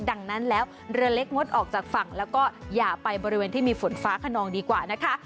ดังนั้นแล้วเรือเล็กงดออกจากฝั่งแล้วก็อย่าไปบริเวณที่มีฝนฟ้าขนองดีกว่านะคะ